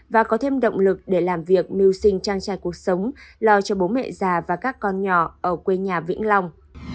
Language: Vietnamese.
và có thêm động lực để làm việc mưu sinh trang trải cuộc sống lo cho bố mẹ già và các con nhỏ ở quê nhà vĩnh long